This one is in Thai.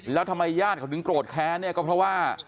แล้วทำไมญาติเขาถึงโกรธแค้นเนี่ยก็เพราะว่า